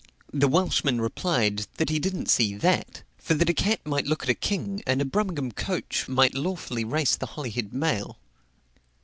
The Welshman replied, that he didn't see that; for that a cat might look at a king, and a Brummagem coach might lawfully race the Holyhead mail.